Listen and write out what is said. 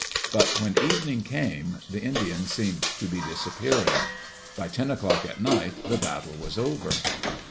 But when evening came, the Indians seemed to be disappearing. By ten o'clock at night, the battle was over.